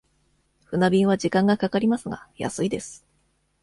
船便は時間がかかりますが、安いです。